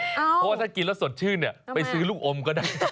เพราะว่าถ้ากินแล้วสดชื่นเนี่ยไปซื้อลูกอมก็ได้